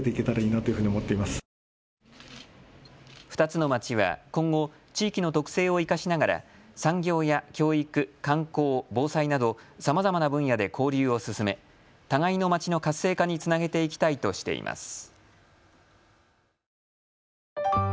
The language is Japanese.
２つの町は今後、地域の特性を生かしながら産業や教育、観光、防災などさまざまな分野で交流を進め互いの町の活性化につなげていきたいとしています。